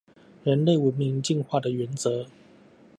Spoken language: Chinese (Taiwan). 人類文明進化的原則